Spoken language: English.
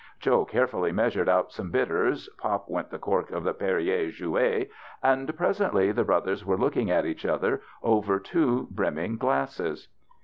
Joe carefully measured out some bitters, pop went the cork of the Perrier Jouet, and presently the brothers were looking at each other over two brim ming glasses.